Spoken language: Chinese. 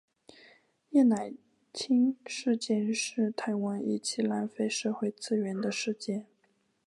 叶乃菁事件是台湾一起浪费社会资源的事件。